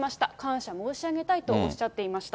感謝申し上げたいとおっしゃっていました。